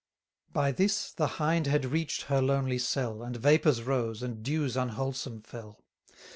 By this, the Hind had reach'd her lonely cell, And vapours rose, and dews unwholesome fell.